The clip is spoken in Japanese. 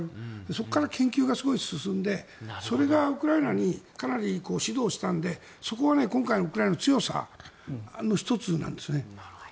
そこから研究がすごい進んでそれをウクライナにかなり指導したのでそこは今回のウクライナの強さの１つなんですね。